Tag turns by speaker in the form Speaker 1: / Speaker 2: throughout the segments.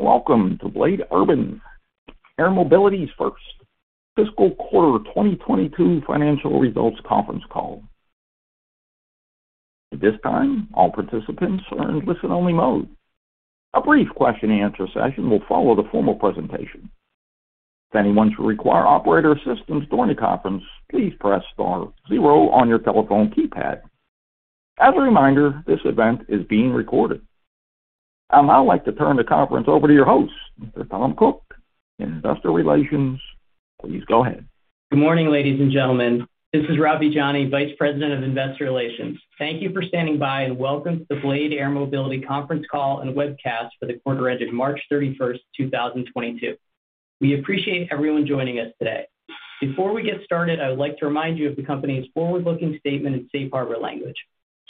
Speaker 1: Welcome to BLADE Urban Air Mobility's first fiscal quarter 2022 financial results conference call. At this time, all participants are in listen only mode. A brief question answer session will follow the formal presentation. If anyone should require operator assistance during the conference, please press star zero on your telephone keypad. As a reminder, this event is being recorded. I'd like to turn the conference over to your host, Mr. Tom Cook, Investor Relations. Please go ahead.
Speaker 2: Good morning, ladies and gentlemen. This is Ravi Jani, Vice President of Investor Relations. Thank you for standing by, and welcome to the BLADE Air Mobility conference call and webcast for the quarter ended March 31, 2022. We appreciate everyone joining us today. Before we get started, I would like to remind you of the company's forward-looking statement and safe harbor language.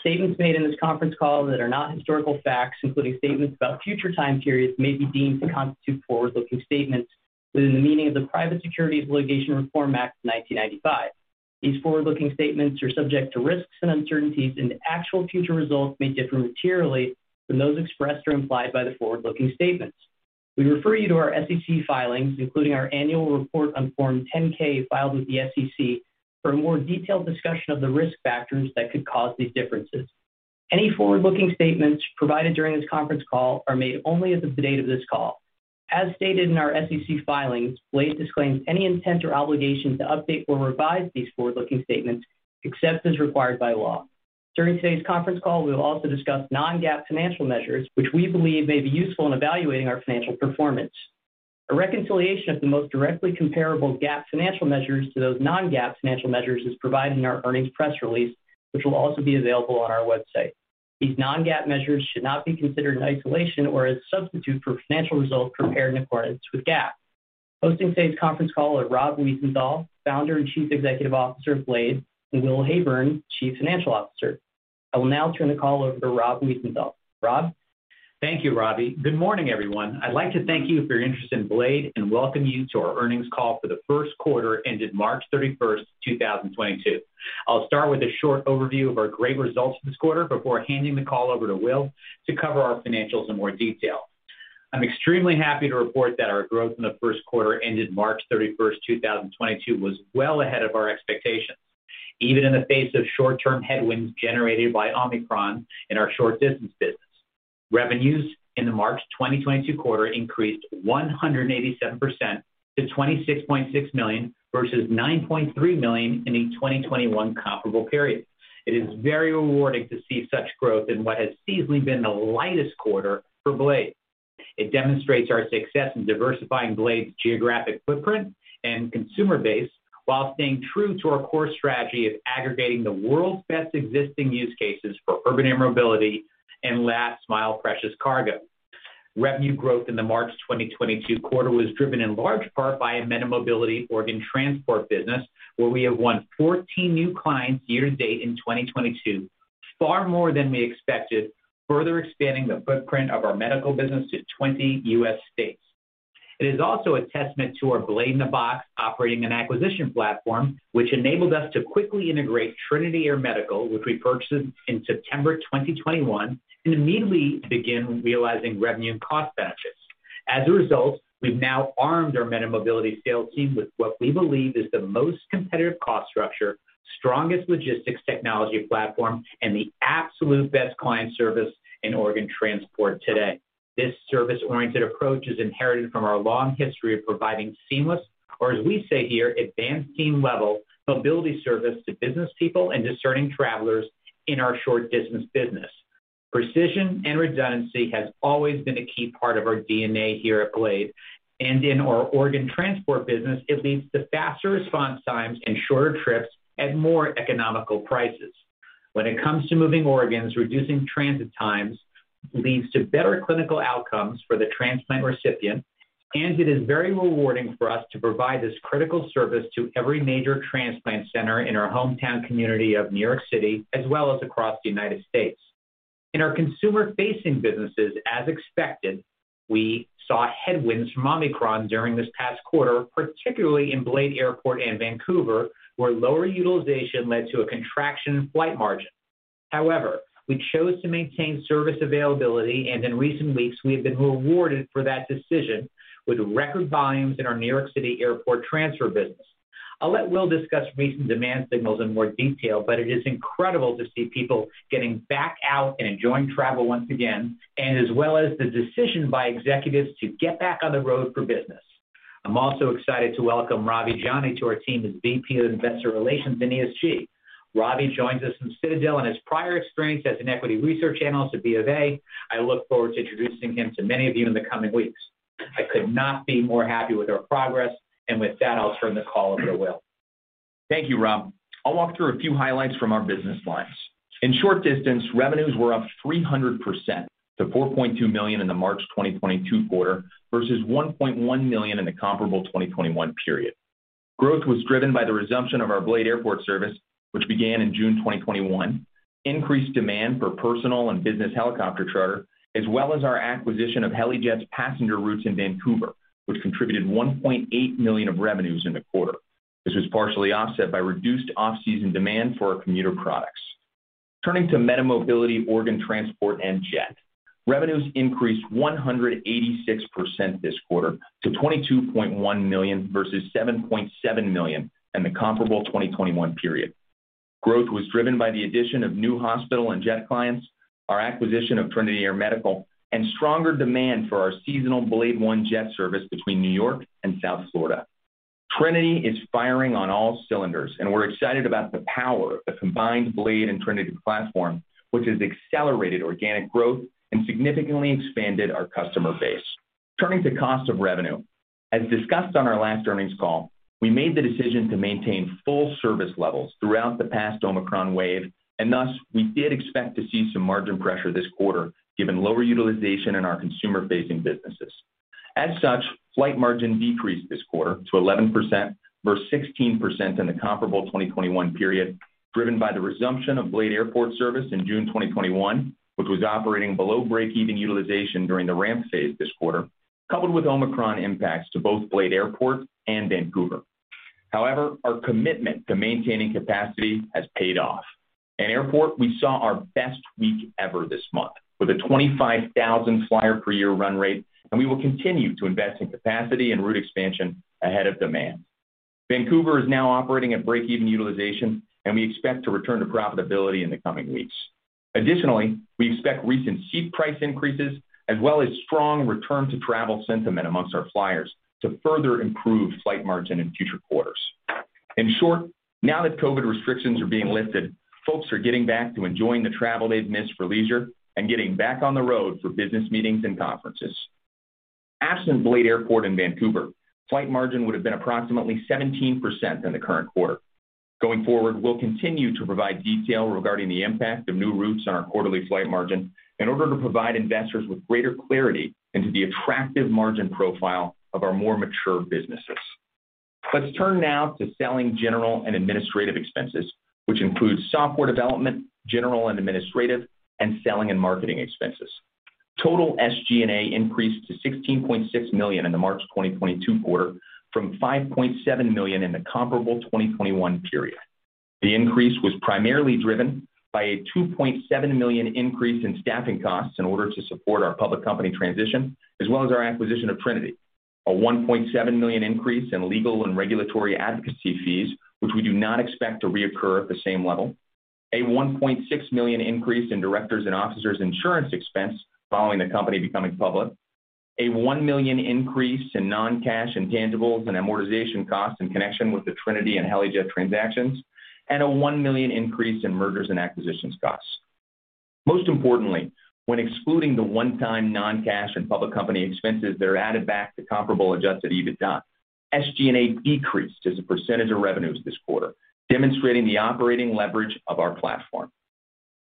Speaker 2: Statements made in this conference call that are not historical facts, including statements about future time periods, may be deemed to constitute forward-looking statements within the meaning of the Private Securities Litigation Reform Act of 1995. These forward-looking statements are subject to risks and uncertainties, and actual future results may differ materially from those expressed or implied by the forward-looking statements. We refer you to our SEC filings, including our annual report on Form 10-K filed with the SEC for a more detailed discussion of the risk factors that could cause these differences. Any forward-looking statements provided during this conference call are made only as of the date of this call. As stated in our SEC filings, BLADE disclaims any intent or obligation to update or revise these forward-looking statements except as required by law. During today's conference call we will also discuss non-GAAP financial measures, which we believe may be useful in evaluating our financial performance. A reconciliation of the most directly comparable GAAP financial measures to those non-GAAP financial measures is provided in our earnings press release, which will also be available on our website. These non-GAAP measures should not be considered in isolation or as substitute for financial results compared in accordance with GAAP. Hosting today's conference call are Rob Wiesenthal, Founder and Chief Executive Officer of BLADE, and Will Heyburn, Chief Financial Officer. I will now turn the call over to Rob Wiesenthal. Rob?
Speaker 3: Thank you, Ravi. Good morning, everyone. I'd like to thank you for your interest in BLADE and welcome you to our earnings call for the Q1 ended March 31, 2022. I'll start with a short overview of our great results this quarter before handing the call over to Will to cover our financials in more detail. I'm extremely happy to report that our growth in the Q1 ended March 31, 2022 was well ahead of our expectations, even in the face of short-term headwinds generated by Omicron in our short distance business. Revenues in the March 2022 quarter increased 187% to $26.6 million versus $9.3 million in the 2021 comparable period. It is very rewarding to see such growth in what has seasonally been the lightest quarter for BLADE. It demonstrates our success in diversifying BLADE's geographic footprint and consumer base while staying true to our core strategy of aggregating the world's best existing use cases for urban air mobility and last-mile precious cargo. Revenue growth in the March 2022 quarter was driven in large part by a MediMobility organ transport business, where we have won 14 new clients year to date in 2022, far more than we expected, further expanding the footprint of our medical business to 20 U.S. states. It is also a testament to our BLADE-in-a-Box operating and acquisition platform, which enabled us to quickly integrate Trinity Air Medical, which we purchased in September 2021, and immediately begin realizing revenue and cost benefits. As a result, we've now armed our MediMobility sales team with what we believe is the most competitive cost structure, strongest logistics technology platform, and the absolute best client service in organ transport today. This service-oriented approach is inherited from our long history of providing seamless, or as we say here, advanced seamless mobility service to business people and discerning travelers in our short distance business. Precision and redundancy has always been a key part of our DNA here at BLADE, and in our organ transport business, it leads to faster response times and shorter trips at more economical prices. When it comes to moving organs, reducing transit times leads to better clinical outcomes for the transplant recipient, and it is very rewarding for us to provide this critical service to every major transplant center in our hometown community of New York City, as well as across the United States. In our consumer facing businesses, as expected, we saw headwinds from Omicron during this past quarter, particularly in BLADE Airport and Vancouver, where lower utilization led to a contraction in Flight Margin. However, we chose to maintain service availability, and in recent weeks we have been rewarded for that decision with record volumes in our New York City airport transfer business. I'll let Will discuss recent demand signals in more detail, but it is incredible to see people getting back out and enjoying travel once again, and as well as the decision by executives to get back on the road for business. I'm also excited to welcome Ravi Jani to our team as VP of Investor Relations and ESG. Ravi Jani joins us from Citadel, and his prior experience as an equity research analyst at BofA, I look forward to introducing him to many of you in the coming weeks. I could not be more happy with our progress, and with that I'll turn the call over to Will.
Speaker 4: Thank you, Rob. I'll walk through a few highlights from our business lines. In short distance, revenues were up 300% to $4.2 million in the March 2022 quarter versus $1.1 million in the comparable 2021 period. Growth was driven by the resumption of our BLADE Airport service, which began in June 2021, increased demand for personal and business helicopter charter, as well as our acquisition of Helijet's passenger routes in Vancouver, which contributed $1.8 million of revenues in the quarter. This was partially offset by reduced off-season demand for our commuter products. Turning to MediMobility, organ transport and jet. Revenues increased 186% this quarter to $22.1 million versus $7.7 million in the comparable 2021 period. Growth was driven by the addition of new hospital and jet clients, our acquisition of Trinity Air Medical, and stronger demand for our seasonal BLADEOne jet service between New York and South Florida. Trinity is firing on all cylinders, and we're excited about the power of the combined BLADE and Trinity platform, which has accelerated organic growth and significantly expanded our customer base. Turning to cost of revenue. As discussed on our last earnings call, we made the decision to maintain full service levels throughout the past Omicron wave, and thus we did expect to see some margin pressure this quarter given lower utilization in our consumer-facing businesses. Flight Margin decreased this quarter to 11% versus 16% in the comparable 2021 period, driven by the resumption of BLADE Airport service in June 2021, which was operating below break-even utilization during the ramp phase this quarter, coupled with Omicron impacts to both BLADE Airport and Vancouver. However, our commitment to maintaining capacity has paid off. In Airport, we saw our best week ever this month with a 25,000-flyer-per-year run rate, and we will continue to invest in capacity and route expansion ahead of demand. Vancouver is now operating at break-even utilization, and we expect to return to profitability in the coming weeks. Additionally, we expect recent seat price increases as well as strong return to travel sentiment amongst our flyers to further improve Flight Margin in future quarters. In short, now that COVID restrictions are being lifted, folks are getting back to enjoying the travel they've missed for leisure and getting back on the road for business meetings and conferences. Absent BLADE Airport in Vancouver, Flight Margin would have been approximately 17% in the current quarter. Going forward, we'll continue to provide detail regarding the impact of new routes on our quarterly Flight Margin in order to provide investors with greater clarity into the attractive margin profile of our more mature businesses. Let's turn now to selling, general, and administrative expenses, which includes software development, general and administrative, and selling and marketing expenses. Total SG&A increased to $16.6 million in the March 2022 quarter from $5.7 million in the comparable 2021 period. The increase was primarily driven by a $2.7 million increase in staffing costs in order to support our public company transition, as well as our acquisition of Trinity. A $1.7 million increase in legal and regulatory advocacy fees, which we do not expect to reoccur at the same level. A $1.6 million increase in directors' and officers' insurance expense following the company becoming public. A $1 million increase in non-cash intangibles and amortization costs in connection with the Trinity and Helijet transactions, and a $1 million increase in mergers and acquisitions costs. Most importantly, when excluding the one-time non-cash and public company expenses that are added back to comparable adjusted EBITDA, SG&A decreased as a percentage of revenues this quarter, demonstrating the operating leverage of our platform.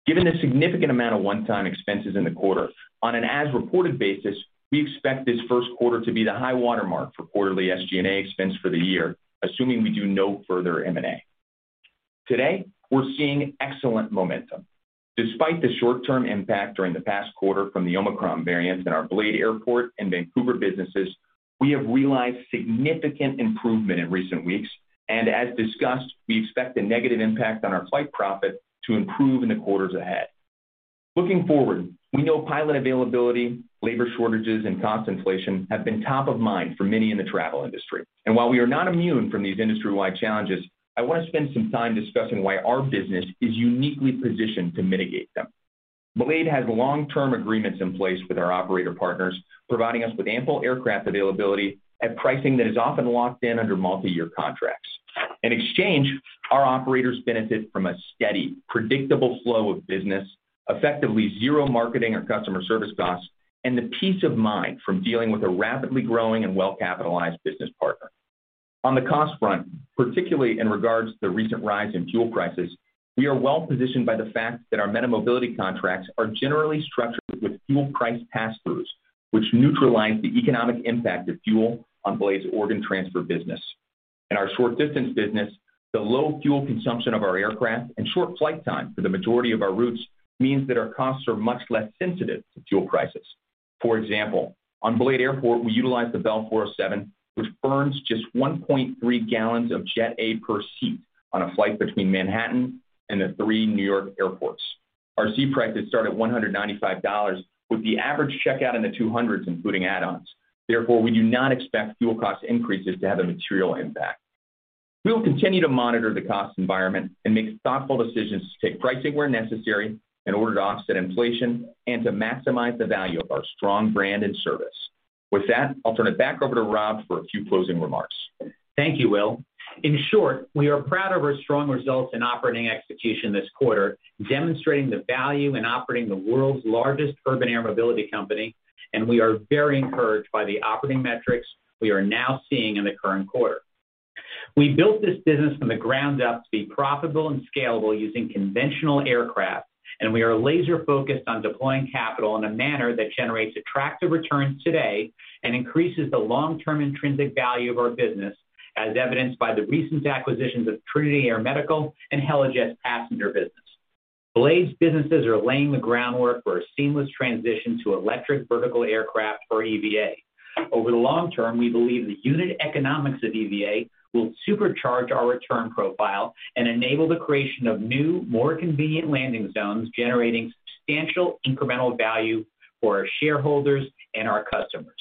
Speaker 4: Given the significant amount of one-time expenses in the quarter, on an as-reported basis, we expect this Q1 to be the high watermark for quarterly SG&A expense for the year, assuming we do no further M&A. Today, we're seeing excellent momentum. Despite the short-term impact during the past quarter from the Omicron variants in our BLADE Airport and Vancouver businesses, we have realized significant improvement in recent weeks. As discussed, we expect the negative impact on our flight profit to improve in the quarters ahead. Looking forward, we know pilot availability, labor shortages, and cost inflation have been top of mind for many in the travel industry. While we are not immune from these industry-wide challenges, I want to spend some time discussing why our business is uniquely positioned to mitigate them. BLADE has long-term agreements in place with our operator partners, providing us with ample aircraft availability at pricing that is often locked in under multi-year contracts. In exchange, our operators benefit from a steady, predictable flow of business, effectively zero marketing or customer service costs, and the peace of mind from dealing with a rapidly growing and well-capitalized business partner. On the cost front, particularly in regards to the recent rise in fuel prices, we are well-positioned by the fact that our MediMobility contracts are generally structured with fuel price pass-throughs, which neutralize the economic impact of fuel on BLADE's organ transfer business. In our short distance business, the low fuel consumption of our aircraft and short flight time for the majority of our routes means that our costs are much less sensitive to fuel prices. For example, on BLADE Airport, we utilize the Bell 407, which burns just 1.3 gallons of Jet A per seat on a flight between Manhattan and the three New York airports. Our seat prices start at $195, with the average checkout in the 200s, including add-ons. Therefore, we do not expect fuel cost increases to have a material impact. We will continue to monitor the cost environment and make thoughtful decisions to take pricing where necessary in order to offset inflation and to maximize the value of our strong brand and service. With that, I'll turn it back over to Rob for a few closing remarks.
Speaker 3: Thank you, Will. In short, we are proud of our strong results in operating execution this quarter, demonstrating the value in operating the world's largest Urban Air Mobility company, and we are very encouraged by the operating metrics we are now seeing in the current quarter. We built this business from the ground up to be profitable and scalable using conventional aircraft, and we are laser-focused on deploying capital in a manner that generates attractive returns today and increases the long-term intrinsic value of our business, as evidenced by the recent acquisitions of Trinity Air Medical and Helijet's passenger business. BLADE's businesses are laying the groundwork for a seamless transition to Electric Vertical Aircraft or EVA. Over the long term, we believe the unit economics of EVA will supercharge our return profile and enable the creation of new, more convenient landing zones, generating substantial incremental value for our shareholders and our customers.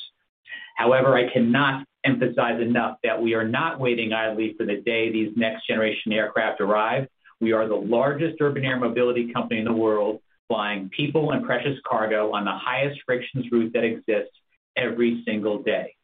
Speaker 3: However, I cannot emphasize enough that we are not waiting idly for the day these next-generation aircraft arrive. We are the largest Urban Air Mobility company in the world, flying people and precious cargo on the highest-friction routes that exist every single day.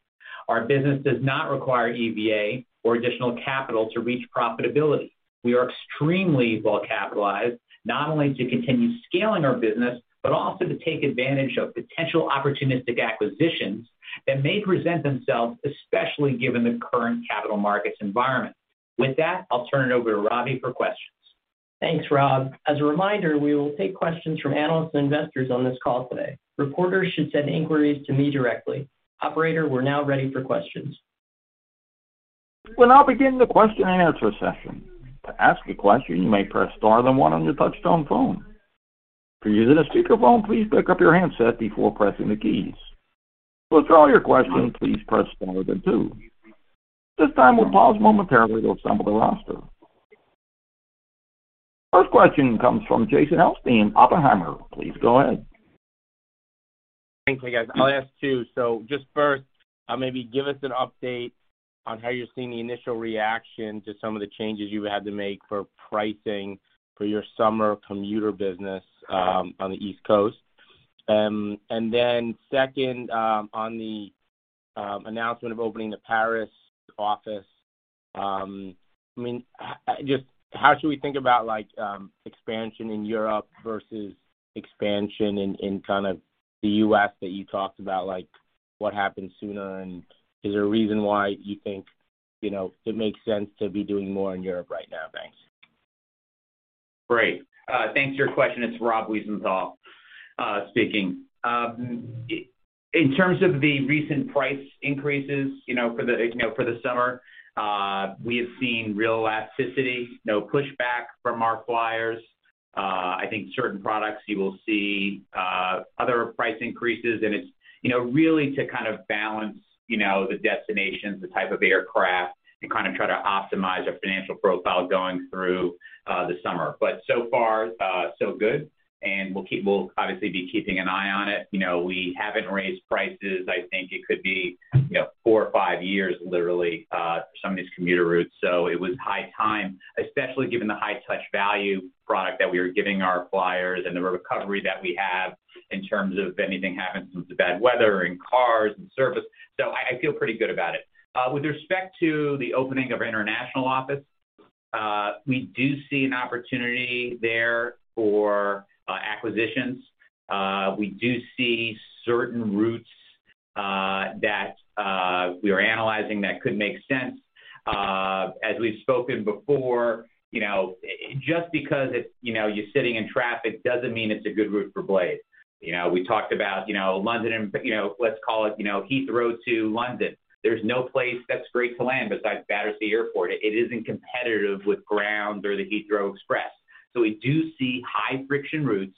Speaker 3: Our business does not require EVA or additional capital to reach profitability. We are extremely well capitalized, not only to continue scaling our business, but also to take advantage of potential opportunistic acquisitions that may present themselves, especially given the current capital markets environment. With that, I'll turn it over to Ravi for questions.
Speaker 2: Thanks, Rob. As a reminder, we will take questions from analysts and investors on this call today. Reporters should send inquiries to me directly. Operator, we're now ready for questions.
Speaker 1: We'll now begin the question and answer session. To ask a question, you may press star then one on your touchtone phone. If you're using a speakerphone, please pick up your handset before pressing the keys. To withdraw your question, please press star then two. At this time, we'll pause momentarily to assemble the roster. First question comes from Jason Helfstein, Oppenheimer. Please go ahead.
Speaker 5: Thanks. I guess I'll ask two. Just first, maybe give us an update on how you're seeing the initial reaction to some of the changes you had to make for pricing for your summer commuter business on the East Coast. Then second, on the announcement of opening the Paris office, I mean, just how should we think about like expansion in Europe versus expansion in kind of the U.S. that you talked about, like what happens sooner? And is there a reason why you think, you know, it makes sense to be doing more in Europe right now? Thanks.
Speaker 3: Great. Thanks for your question. It's Rob Wiesenthal speaking. In terms of the recent price increases, you know, for the summer, we have seen real elasticity, no pushback from our flyers. I think certain products you will see other price increases, and it's, you know, really to kind of balance, you know, the destinations, the type of aircraft, and kind of try to optimize our financial profile going through the summer. So far, so good, and we'll obviously be keeping an eye on it. You know, we haven't raised prices. I think it could be, you know, four or five years, literally, some of these commuter routes. It was high time, especially given the high touch value product that we were giving our flyers and the recovery that we have in terms of if anything happens with the bad weather and cars and service. I feel pretty good about it. With respect to the opening of our international office, we do see an opportunity there for acquisitions. We do see certain routes that we are analyzing that could make sense. As we've spoken before, you know, just because it's, you know, you're sitting in traffic doesn't mean it's a good route for BLADE. You know, we talked about, you know, London and, you know, let's call it, you know, Heathrow to London. There's no place that's great to land besides Battersea Heliport. It isn't competitive with ground or the Heathrow Express. We do see high friction routes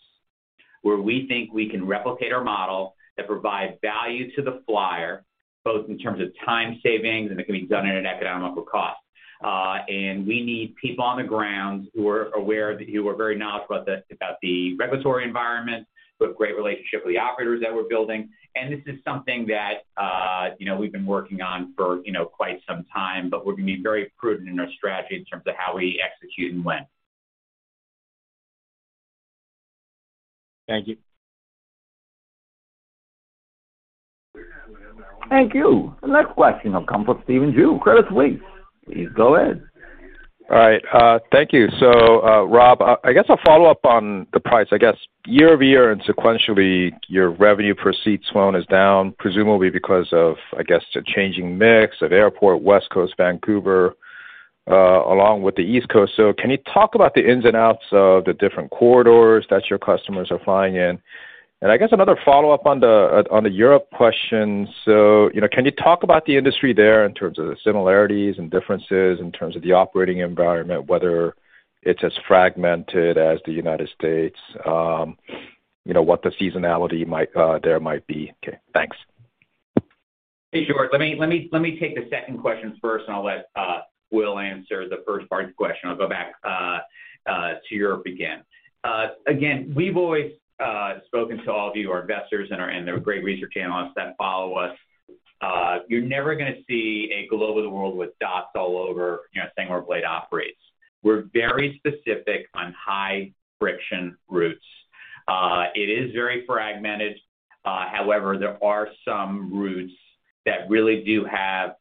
Speaker 3: where we think we can replicate our model that provide value to the flyer, both in terms of time savings, and it can be done at an economical cost. We need people on the ground who are aware that you are very knowledgeable about the regulatory environment, who have great relationship with the operators that we're building. This is something that, you know, we've been working on for, you know, quite some time, but we're being very prudent in our strategy in terms of how we execute and when.
Speaker 5: Thank you.
Speaker 1: Thank you. The next question will come from Stephen Ju, Credit Suisse. Please go ahead.
Speaker 6: All right. Thank you. Rob, I guess I'll follow up on the price. I guess year-over-year and sequentially, your revenue per seat flown is down, presumably because of, I guess, the changing mix of airport, West Coast, Vancouver, along with the East Coast. Can you talk about the ins and outs of the different corridors that your customers are flying in? I guess another follow-up on the Europe question. You know, can you talk about the industry there in terms of the similarities and differences, in terms of the operating environment, whether it's as fragmented as the United States, you know, what the seasonality might there might be? Okay, thanks.
Speaker 3: Sure. Let me take the second question first, and I'll let Will answer the first part of the question. I'll go back to Europe again. Again, we've always spoken to all of you, our investors and the great research analysts that follow us. You're never gonna see a globe of the world with dots all over, you know, saying where BLADE operates. We're very specific on high friction routes. It is very fragmented. However, there are some routes that really do have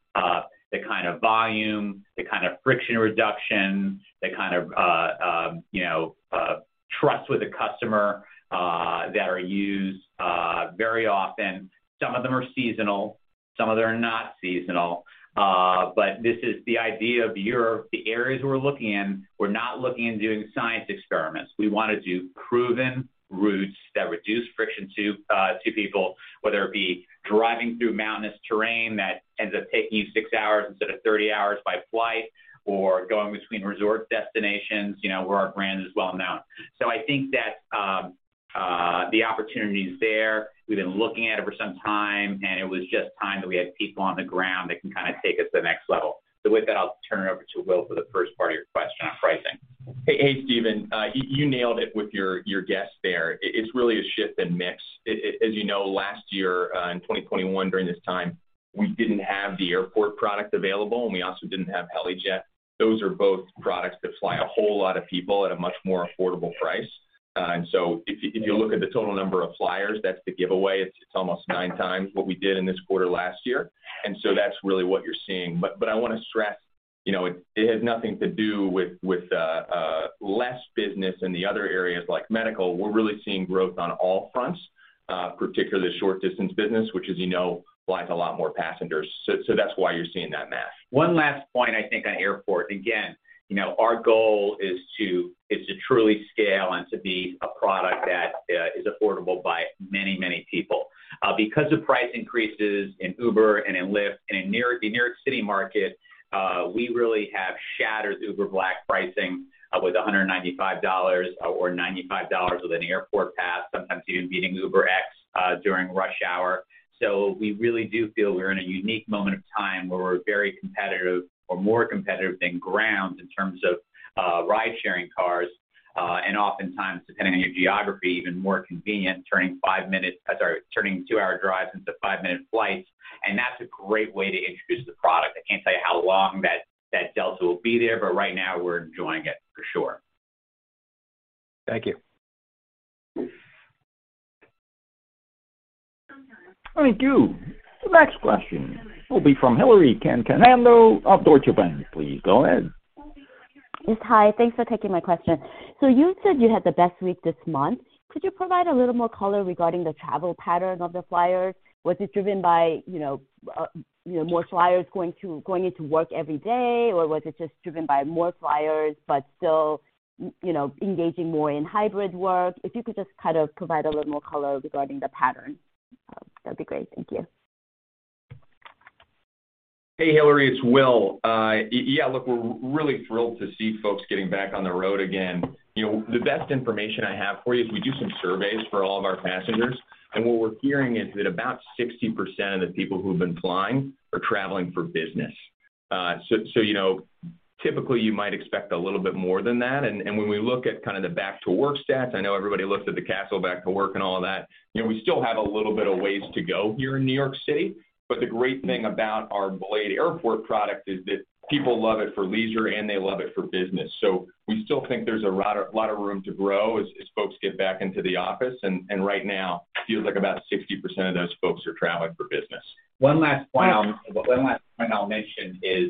Speaker 3: the kind of volume, the kind of friction reduction, the kind of trust with the customer that are used very often. Some of them are seasonal, some of them are not seasonal. This is the idea of Europe. The areas we're looking in, we're not looking to do science experiments. We wanna do proven routes that reduce friction to people, whether it be driving through mountainous terrain that ends up taking you six hours instead of 30 hours by flight or going between resort destinations, you know, where our brand is well known. I think that the opportunity is there. We've been looking at it for some time, and it was just time that we had people on the ground that can kind of take us to the next level. With that, I'll turn it over to Will for the first part of your question on pricing.
Speaker 4: Hey, Stephen, you nailed it with your guess there. It's really a shift in mix. As you know, last year, in 2021 during this time, we didn't have the airport product available, and we also didn't have Helijet. Those are both products that fly a whole lot of people at a much more affordable price. If you look at the total number of flyers, that's the giveaway. It's almost nine times what we did in this quarter last year. That's really what you're seeing. I wanna stress, you know, it has nothing to do with less business in the other areas like medical. We're really seeing growth on all fronts, particularly the short distance business, which, as you know, flies a lot more passengers. that's why you're seeing that math.
Speaker 3: One last point I think on airport. Again, you know, our goal is to truly scale and to be a product that is affordable by many, many people. Because of price increases in Uber and in Lyft and in New York, the New York City market, we really have shattered Uber Black pricing with $195 or $95 with an airport pass, sometimes even beating UberX during rush hour. We really do feel we're in a unique moment of time where we're very competitive or more competitive than ground in terms of ride-sharing cars, and oftentimes, depending on your geography, even more convenient, turning two-hour drives into five-minute flights. That's a great way to introduce the product. I can't tell you how long that delta will be there, but right now we're enjoying it for sure.
Speaker 6: Thank you.
Speaker 1: Thank you. The next question will be from Hillary Cacanando of Deutsche Bank. Please go ahead.
Speaker 7: Yes, hi. Thanks for taking my question. You said you had the best week this month. Could you provide a little more color regarding the travel pattern of the flyers? Was it driven by, you know, more flyers going into work every day, or was it just driven by more flyers, but still, you know, engaging more in hybrid work? If you could just kind of provide a little more color regarding the pattern, that'd be great. Thank you.
Speaker 4: Hey, Hillary, it's Will. Yeah, look, we're really thrilled to see folks getting back on the road again. You know, the best information I have for you is we do some surveys for all of our passengers, and what we're hearing is that about 60% of the people who've been flying are traveling for business. So, you know, typically you might expect a little bit more than that. When we look at kind of the back to work stats, I know everybody looks at the Kastle Back to Work and all of that, you know, we still have a little bit of ways to go here in New York City. The great thing about our BLADE Airport product is that people love it for leisure, and they love it for business. We still think there's a lot of room to grow as folks get back into the office. Right now it feels like about 60% of those folks are traveling for business.
Speaker 3: One last point I'll mention is,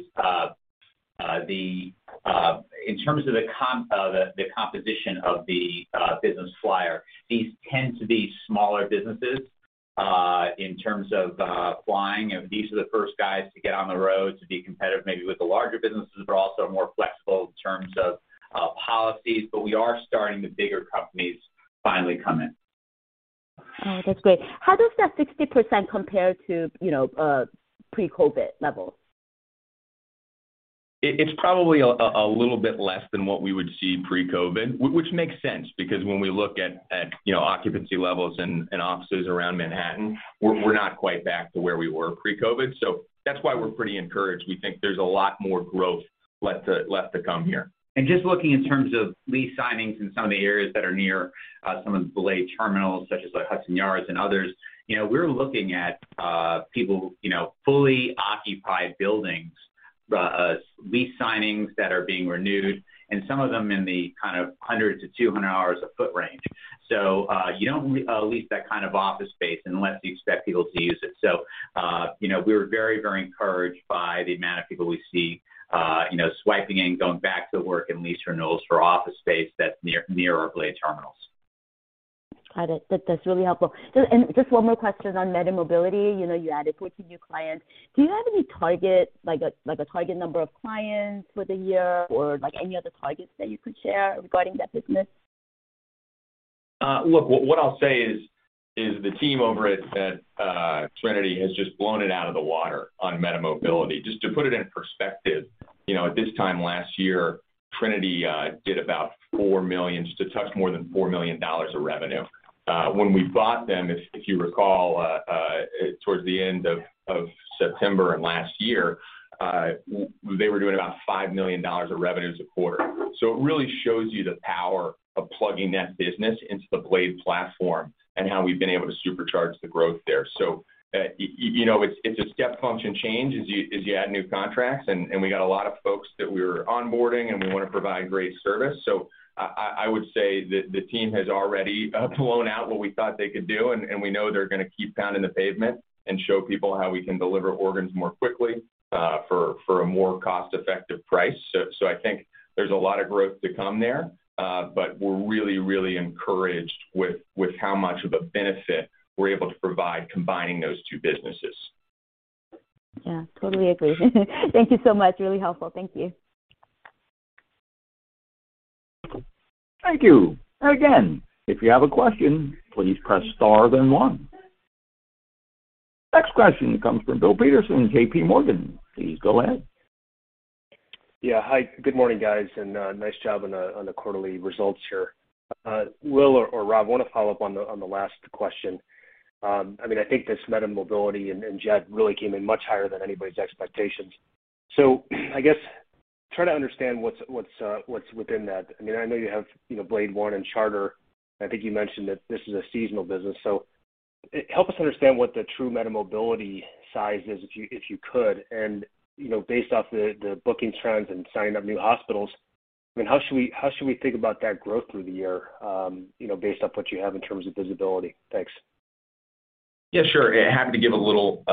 Speaker 3: in terms of the composition of the business flyer, these tend to be smaller businesses, in terms of flying. These are the first guys to get on the road to be competitive maybe with the larger businesses, but also more flexible in terms of policies. We are starting the bigger companies finally come in.
Speaker 7: Oh, that's great. How does that 60% compare to, you know, pre-COVID levels?
Speaker 4: It's probably a little bit less than what we would see pre-COVID, which makes sense because when we look at, you know, occupancy levels and offices around Manhattan, we're not quite back to where we were pre-COVID. That's why we're pretty encouraged. We think there's a lot more growth left to come here.
Speaker 3: Just looking in terms of lease signings in some of the areas that are near some of the BLADE terminals, such as the Hudson Yards and others, you know, we're looking at people, you know, fully occupied buildings, lease signings that are being renewed and some of them in the kind of $100-$200 per sq ft range. You don't lease that kind of office space unless you expect people to use it. You know, we're very, very encouraged by the amount of people we see, you know, swiping in, going back to work and lease renewals for office space that's near our BLADE terminals.
Speaker 7: Got it. That's really helpful. Just one more question on MediMobility. You know, you added 14 new clients. Do you have any target, like a target number of clients for the year or, like, any other targets that you could share regarding that business?
Speaker 4: Look, what I'll say is the team over at Trinity has just blown it out of the water on MediMobility. Just to put it in perspective, you know, at this time last year, Trinity did about $4 million, just a touch more than $4 million of revenue. When we bought them, if you recall, towards the end of September of last year, they were doing about $5 million of revenue as a quarter. It really shows you the power of plugging that business into the BLADE platform and how we've been able to supercharge the growth there. You know, it's a step function change as you add new contracts, and we got a lot of folks that we're onboarding, and we wanna provide great service. I would say that the team has already blown out what we thought they could do, and we know they're gonna keep pounding the pavement and show people how we can deliver organs more quickly, for a more cost-effective price. I think there's a lot of growth to come there, but we're really encouraged with how much of a benefit we're able to provide combining those two businesses.
Speaker 7: Yeah, totally agree. Thank you so much. Really helpful. Thank you.
Speaker 1: Thank you. Again, if you have a question, please press star then one. Next question comes from Bill Peterson, JPMorgan. Please go ahead.
Speaker 8: Yeah. Hi, good morning, guys, and nice job on the quarterly results here. Will or Rob, wanna follow up on the last question. I mean, I think this MediMobility and Jet really came in much higher than anybody's expectations. So I guess try to understand what's within that. I mean, I know you have, you know, BLADEOne and Charter. I think you mentioned that this is a seasonal business, so help us understand what the true MediMobility size is if you could. You know, based off the booking trends and signing up new hospitals, I mean, how should we think about that growth through the year, you know, based off what you have in terms of visibility? Thanks.
Speaker 4: Yeah, sure. Happy to give a little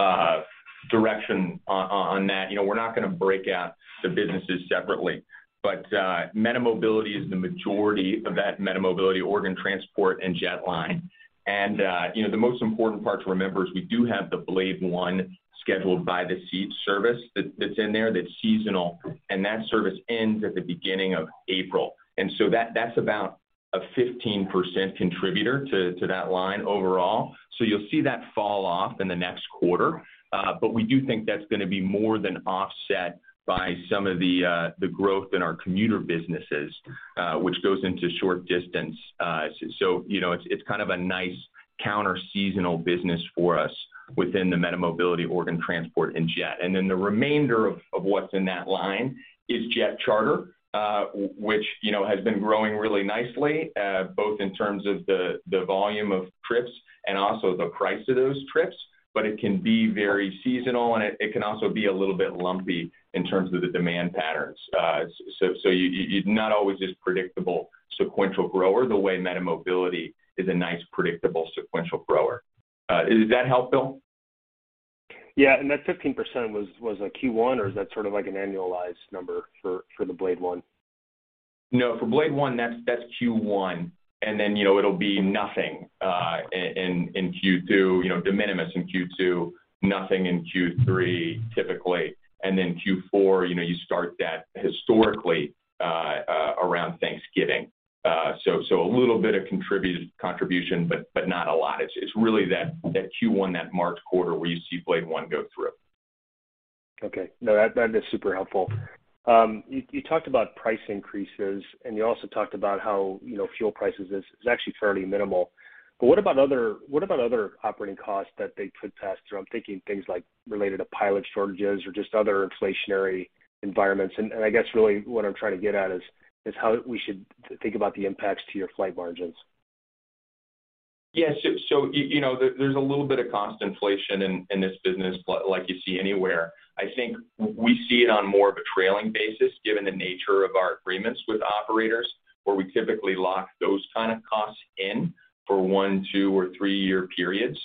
Speaker 4: direction on that. You know, we're not gonna break out the businesses separately, but MediMobility is the majority of that MediMobility organ transport and jet line. You know, the most important part to remember is we do have the BLADEOne scheduled by-the-seat service that's in there, that's seasonal, and that service ends at the beginning of April. That's about a 15% contributor to that line overall. You'll see that fall off in the next quarter. But we do think that's gonna be more than offset by some of the growth in our commuter businesses, which goes into short distance. You know, it's kind of a nice counter-seasonal business for us within the MediMobility organ transport and jet. The remainder of what's in that line is Jet Charter, which, you know, has been growing really nicely, both in terms of the volume of trips and also the price of those trips. It can be very seasonal and it can also be a little bit lumpy in terms of the demand patterns. Not always this predictable sequential grower the way MediMobility is a nice, predictable sequential grower. Does that help, Bill?
Speaker 8: Yeah. That 15% was like Q1, or is that sort of like an annualized number for the BLADEOne?
Speaker 4: No, for BLADEOne that's Q1. Then, you know, it'll be nothing in Q2, you know, de minimis in Q2, nothing in Q3 typically, and then Q4, you know, you start that historically around Thanksgiving. So a little bit of contribution, but not a lot. It's really that Q1, that March quarter where you see BLADEOne go through.
Speaker 8: Okay. No, that is super helpful. You talked about price increases, and you also talked about how, you know, fuel prices is actually fairly minimal. But what about other operating costs that they could pass through? I'm thinking things like related to pilot shortages or just other inflationary environments. I guess really what I'm trying to get at is how we should think about the impacts to your flight margins.
Speaker 4: You know, there's a little bit of cost inflation in this business like you see anywhere. I think we see it on more of a trailing basis, given the nature of our agreements with operators, where we typically lock those kind of costs in for one, two, or three-year periods.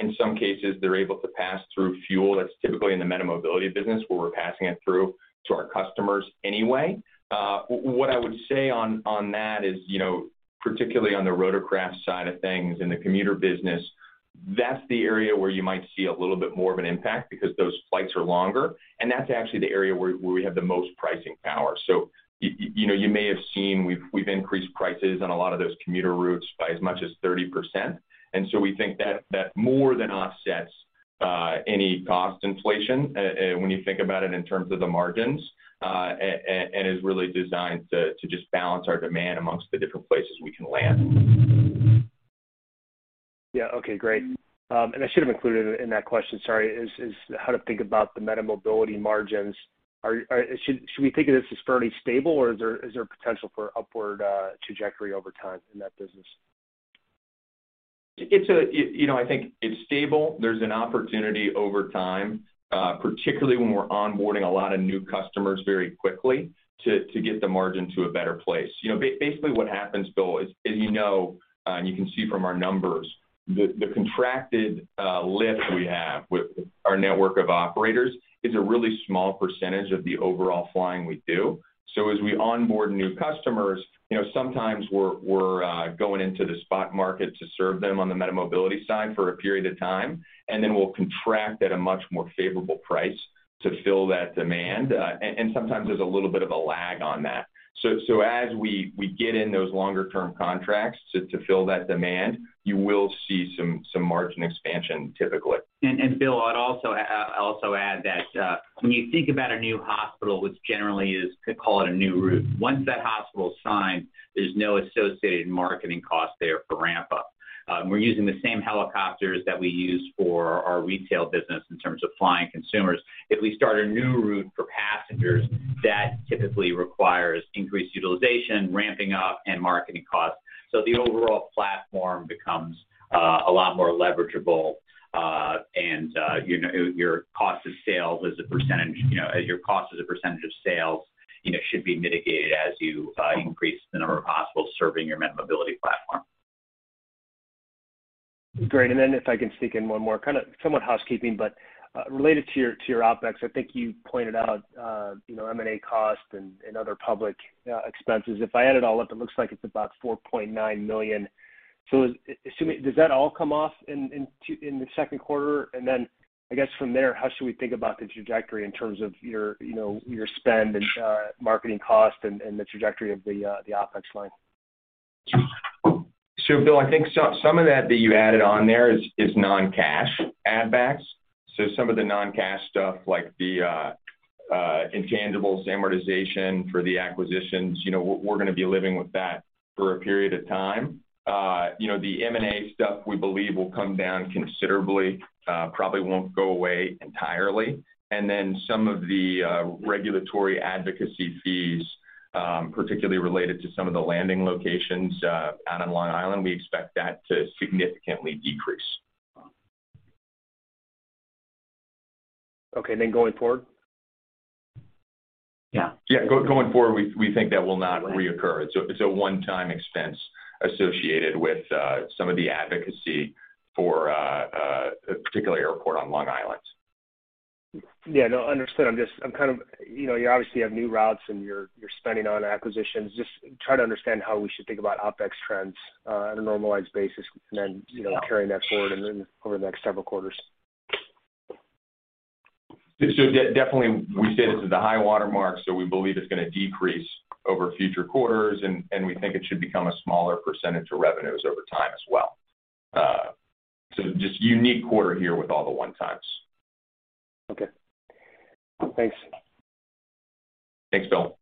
Speaker 4: In some cases, they're able to pass through fuel. That's typically in the MediMobility business where we're passing it through to our customers anyway. What I would say on that is, you know, particularly on the rotorcraft side of things, in the commuter business, that's the area where you might see a little bit more of an impact because those flights are longer, and that's actually the area where we have the most pricing power. You know, you may have seen we've increased prices on a lot of those commuter routes by as much as 30%. We think that more than offsets any cost inflation when you think about it in terms of the margins, and is really designed to just balance our demand amongst the different places we can land.
Speaker 8: Yeah. Okay, great. I should have included in that question, sorry, is how to think about the MediMobility margins. Should we think of this as fairly stable, or is there potential for upward trajectory over time in that business?
Speaker 4: You know, I think it's stable. There's an opportunity over time, particularly when we're onboarding a lot of new customers very quickly to get the margin to a better place. You know, basically what happens, Bill, as you know, and you can see from our numbers, the contracted lift we have with our network of operators is a really small percentage of the overall flying we do. As we onboard new customers, you know, sometimes we're going into the spot market to serve them on the MediMobility side for a period of time, and then we'll contract at a much more favorable price to fill that demand. And sometimes there's a little bit of a lag on that. As we get in those longer term contracts to fill that demand, you will see some margin expansion typically.
Speaker 3: Bill, I'd also add that, when you think about a new hospital, which generally you could call it a new route. Once that hospital's signed, there's no associated marketing cost there for ramp-up. We're using the same helicopters that we use for our retail business in terms of flying consumers. If we start a new route for passengers, that typically requires increased utilization, ramping up, and marketing costs. The overall platform becomes a lot more leverageable. You know, your cost of sales as a percentage, you know, your cost as a percentage of sales, you know, should be mitigated as you increase the number of hospitals serving your MediMobility platform.
Speaker 8: Great. Then if I can sneak in one more, kinda somewhat housekeeping, but related to your OpEx. I think you pointed out, you know, M&A costs and other public expenses. If I add it all up, it looks like it's about $4.9 million. Assuming, does that all come off in the Q2? Then I guess from there, how should we think about the trajectory in terms of your, you know, your spend and marketing cost and the trajectory of the OpEx line?
Speaker 4: Bill, I think some of that you added on there is non-cash add backs. Some of the non-cash stuff like the intangibles amortization for the acquisitions, you know, we're gonna be living with that for a period of time. You know, the M&A stuff we believe will come down considerably, probably won't go away entirely. Some of the regulatory advocacy fees, particularly related to some of the landing locations out on Long Island, we expect that to significantly decrease.
Speaker 8: Okay, going forward?
Speaker 3: Yeah.
Speaker 4: Yeah. Going forward, we think that will not reoccur. It's a one-time expense associated with some of the advocacy for a particular airport on Long Island.
Speaker 8: Yeah, no. Understood. I'm just kind of you know, you obviously have new routes and you're spending on acquisitions. Just trying to understand how we should think about OpEx trends on a normalized basis and then, you know, carrying that forward and then over the next several quarters.
Speaker 4: Definitely we say this is a high watermark, so we believe it's gonna decrease over future quarters and we think it should become a smaller percentage of revenues over time as well. Just unique quarter here with all the one times.
Speaker 8: Okay. Thanks.
Speaker 4: Thanks, Bill.